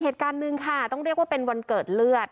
เหตุการณ์หนึ่งค่ะต้องเรียกว่าเป็นวันเกิดเลือด